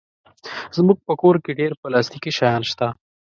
زموږ په کور کې ډېر پلاستيکي شیان شته.